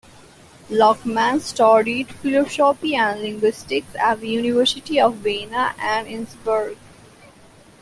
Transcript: Luckmann studied philosophy and linguistics at the University of Vienna and Innsbruck.